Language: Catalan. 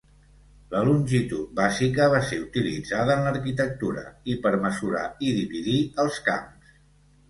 La longitud bàsica va ser utilitzada en l'arquitectura i per mesurar i dividir els camps.